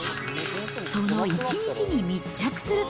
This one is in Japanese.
その１日に密着すると。